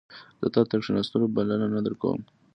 زه تا ته د کښیناستلو بلنه نه درکوم